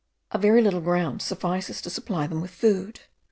A very little ground suffices to supply them with food.